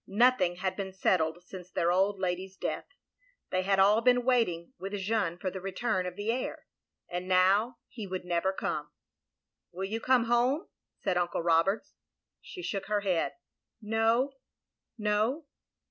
Nothing had be^n settled since their old lady's death. They had all been waiting, with Jeanne, for the return of the heir. And now he would never come. "Will you come home?" said Uncle Roberts. She shook her head. "No, no.